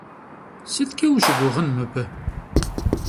СыткӀэ ущыгугъын мыбы?